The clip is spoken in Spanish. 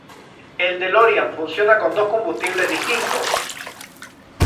El DeLorean funciona con dos combustibles distintos.